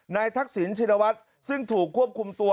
ทักษิณชินวัฒน์ซึ่งถูกควบคุมตัว